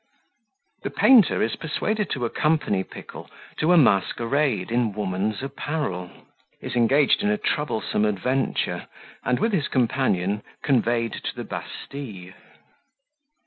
The Painter is persuaded to accompany Pickle to a Masquerade in Woman's Apparel Is engaged in a troublesome Adventure, and, with his Companion, conveyed to the Bastille.